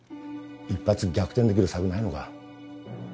一発逆転出来る策ないのか？